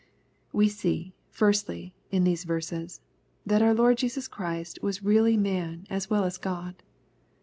We see, firstly, in these verseis, that our Lord Jesua Christ was really man as weU as God.